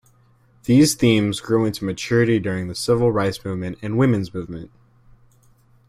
These themes grew into maturity during the Civil Rights Movement and Women's movement.